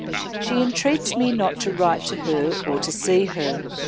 She entreats me not to write to her or see her.